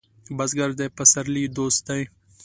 بزګر د پسرلي دوست دی